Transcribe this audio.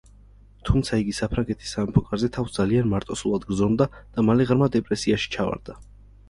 თუმცა იგი საფრანგეთის სამეფო კარზე თავს ძალიან მარტოსულად გრძნობდა და მალე ღრმა დეპრესიაში ჩავარდა.